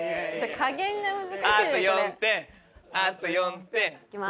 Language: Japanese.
あと４点あと４点。いきます。